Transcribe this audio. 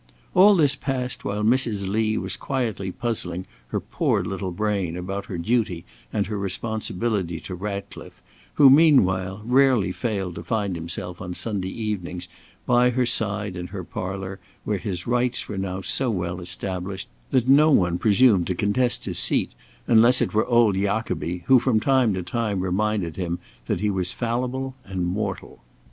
All this passed while Mrs. Lee was quietly puzzling her poor little brain about her duty and her responsibility to Ratcliffe, who, meanwhile, rarely failed to find himself on Sunday evenings by her side in her parlour, where his rights were now so well established that no one presumed to contest his seat, unless it were old Jacobi, who from time to time reminded him that he was fallible and mortal.